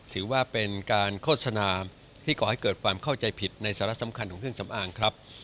ถือว่าเป็นการโฆษณาที่ก่อให้เกิดความเข้าใจผิดในสาระสำคัญของเครื่องสำอางครับ